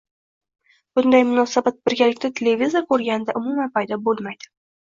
Bunday munosabat birgalikda televizor ko‘rganda umuman paydo bo‘lmaydi.